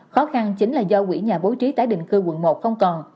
khó khăn chính là do quỹ nhà bố trí tái định cư quận một không còn